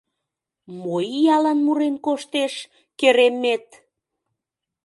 Мо иялан мурен коштеш, керемет!